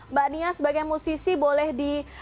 mbak nia sebagai musisi boleh di